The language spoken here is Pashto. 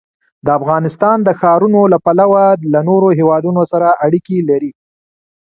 افغانستان د ښارونه له پلوه له نورو هېوادونو سره اړیکې لري.